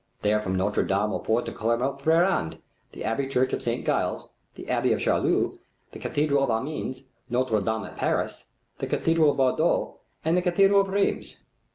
They are from Notre Dame du Port at Clermont Ferrand, the Abbey church of St. Gilles, the Abbey of Charlieu, the Cathedral of Amiens, Notre Dame at Paris, the Cathedral of Bordeaux, and the Cathedral of Rheims.